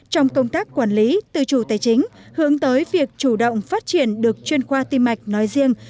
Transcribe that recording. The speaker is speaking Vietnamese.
trong công tác quản lý tư chủ tài chính hướng tới việc chủ động phát triển được chuyên khoa tim mạch nói riêng